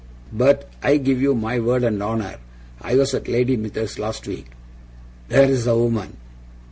But I give you my word and honour I was at Lady Mithers's last week THERE'S a woman!